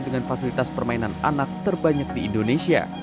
dengan fasilitas permainan anak terbanyak di indonesia